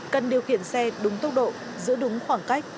cần điều khiển xe đúng tốc độ giữ đúng khoảng cách